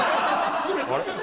あれ？